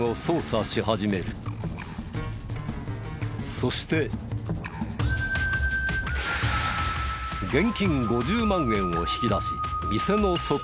そして現金５０万円を引き出し店の外へ。